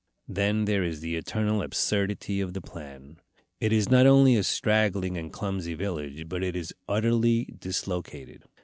Then there is the eternal absurdity of the plan. It is not only a straggling and clumsy village, but it is utterly dislocated.